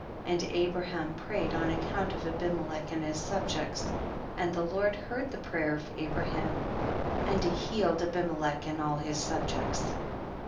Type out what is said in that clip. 30. And Abraham prayed on ac count of Abimelech and his subjects, and the Lord heard the prayer of Abraham, and he healed Abimelech and all his subjects.